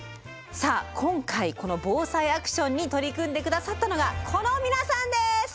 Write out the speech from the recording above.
さあ今回この「ＢＯＳＡＩアクション」に取り組んで下さったのがこの皆さんです！